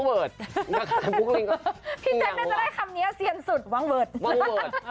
พี่แจ๊กน่าจะได้คำนี้เซียนสุดวางเวิร์ด